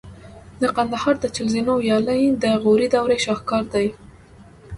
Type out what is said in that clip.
د کندهار د چل زینو ویالې د غوري دورې شاهکار دي